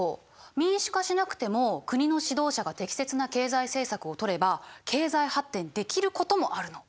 民主化しなくても国の指導者が適切な経済政策をとれば経済発展できることもあるの。